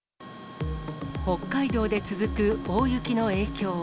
北海道で続く大雪の影響。